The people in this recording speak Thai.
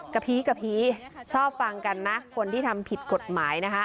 พีกระพีชอบฟังกันนะคนที่ทำผิดกฎหมายนะคะ